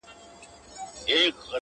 ورک تصویر